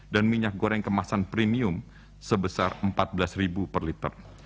dan minyak goreng kemasan premium sebesar rp empat belas per liter